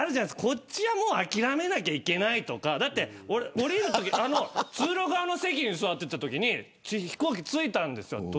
こっちはもう諦めなきゃいけないとか通路側の席に座っていたときに飛行機、着いたんですよ。